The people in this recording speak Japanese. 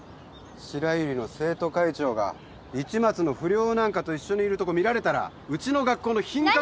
白百合の生徒会長が市松の不良なんかと一緒にいるとこ見られたらうちの学校の品格。